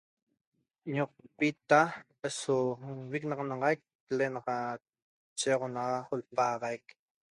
Ñoqopita so nviquenaxanaic l'enaxat chegoxonxa lapagaxaic